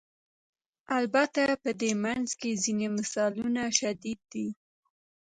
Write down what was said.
البته په دې منځ کې ځینې مثالونه شدید دي.